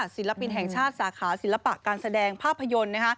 ศิลปินแห่งชาติสาขาศิลปะการแสดงภาพยนตร์